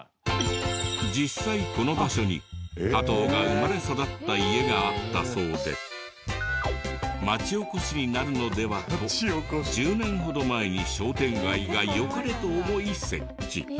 実際この場所に加藤が生まれ育った家があったそうで町おこしになるのでは？と１０年ほど前に商店街がよかれと思い設置。